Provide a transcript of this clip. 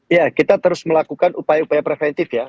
ya kita terus melakukan upaya upaya preventif ya